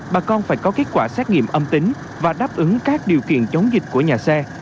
bà con phải có kết quả xét nghiệm âm tính và đáp ứng các điều kiện chống dịch của nhà xe